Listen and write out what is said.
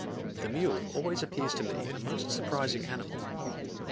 The mule always appears to me a most surprising animal.